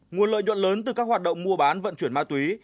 nguồn lợi nhuận lớn từ các hoạt động mua bán vận chuyển ma túy